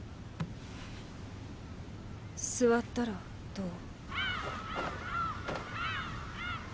座ったらどう？